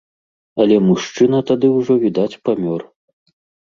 Але мужчына тады ўжо, відаць, памёр.